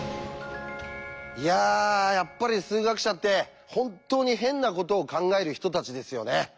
いややっぱり数学者って本当に変なことを考える人たちですよね。